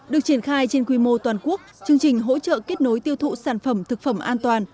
được triển khai trên quy mô toàn quốc chương trình hỗ trợ kết nối tiêu thụ sản phẩm thực phẩm an toàn